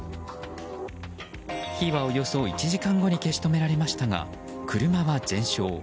火はおよそ１時間後に消し止められましたが車は全焼。